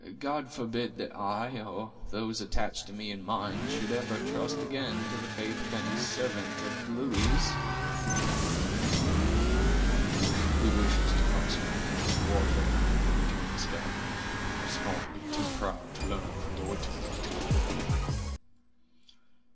God forbid that I, or those attached to me and mine, should ever trust again to the faith of any servant of the Louis's!" "He who wishes to prosper in Indian warfare," returned the scout, "must not be too proud to learn from the wit of a native.